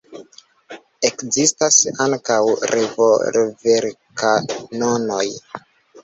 Ekzistas ankaŭ revolverkanonoj.